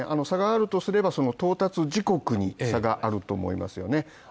差があるとすればその到達時刻に差があると思いますよね